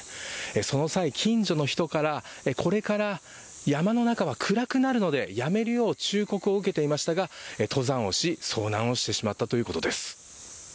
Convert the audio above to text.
その際、近所の人からこれから、山の中は暗くなるのでやめるよう忠告を受けていましたが、登山をし、遭難をしてしまったということです。